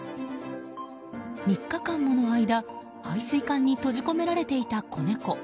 ３日間もの間配水管に閉じ込められていた子猫。